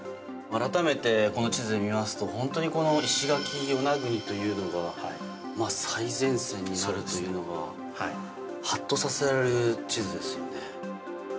改めて、この地図で見ますと本当に石垣、与那国というのが最前線になるというのがハッとさせられる地図ですよね。